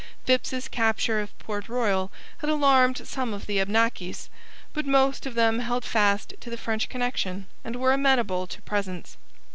Phips's capture of Port Royal had alarmed some of the Abnakis, but most of them held fast to the French connection and were amenable to presents.